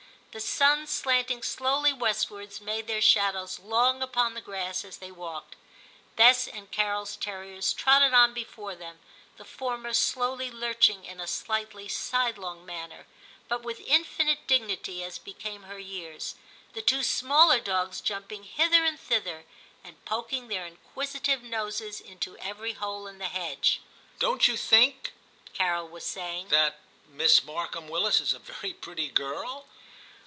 The sun slanting slowly west wards made their shadows long upon the grass as they walked. Bess and Carol's terriers trotted on before them, the former slowly lurching in a slightly sidelong manner, but with infinite dignity as became her years, the two smaller dogs jumping hither and thither, and poking their inquisitive noses into every hole in the hedge. * Don't you think,' Carol was saying, * that that Miss Markham Willis is a very pretty girl